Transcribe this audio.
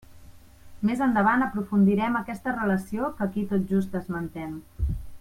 Més endavant aprofundirem aquesta relació que aquí tot just esmentem.